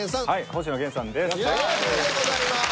星野源さんです。